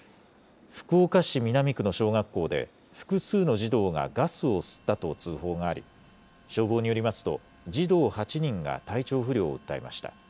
福岡市南区の小学校で、複数の児童がガスを吸ったと通報があり、消防によりますと、児童８人が体調不良を訴えました。